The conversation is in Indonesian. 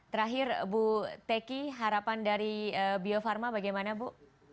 terakhir bu teki harapan dari bio farma bagaimana bu